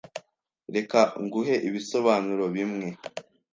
Reka nguhe ibisobanuro bimwe.